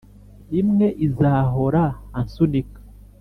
imwe izahora ansunika